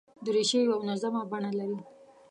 دریشي یو منظمه بڼه لري.